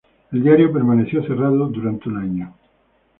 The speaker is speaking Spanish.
El diario permaneció cerrado por un año.